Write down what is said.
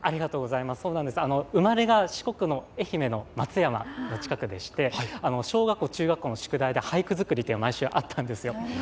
生まれが四国の愛媛の松山の近くでして小学校、中学校の宿題で俳句づくりが毎週あったんですよ。